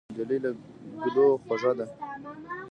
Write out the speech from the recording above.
نجلۍ له ګلو خوږه ده.